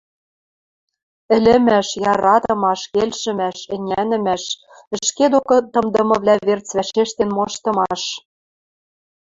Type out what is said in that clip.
— ӹлӹмӓш, яратымаш, келшӹмӓш, ӹнянӹмӓш, ӹшке докы тымдымывлӓ верц вӓшештен моштымаш